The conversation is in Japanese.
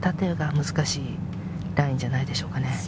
難しいラインじゃないでしょうか。